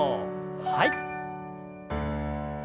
はい。